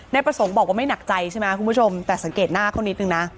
ประสงค์บอกว่าไม่หนักใจใช่ไหมคุณผู้ชมแต่สังเกตหน้าเขานิดนึงนะ